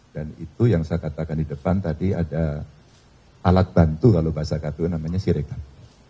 dan itu yang saya katakan di depan tadi ada alat bantu kalau bahasa kpu namanya siregap